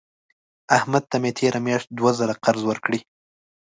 احمد ته مې تېره میاشت دوه زره قرض ورکړې.